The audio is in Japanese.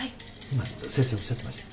今先生おっしゃってました。